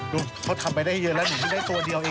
เขาทำไปได้เยอะแล้วหนูไม่ได้ตัวเดียวเอง